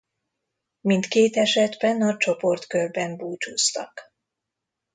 Mindkét esetben a csoportkörben búcsúztak.